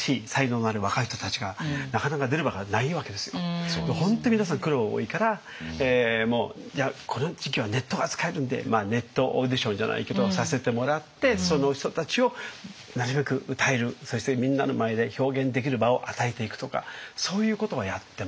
なかなかこの本当皆さん苦労多いからこの時期はネットが使えるんでネットオーディションじゃないけどさせてもらってその人たちをなるべく歌えるそしてみんなの前で表現できる場を与えていくとかそういうことはやってますね。